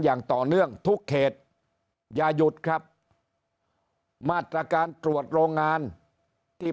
อย่างต่อเนื่องทุกเขตอย่าหยุดครับมาตรการตรวจโรงงานที่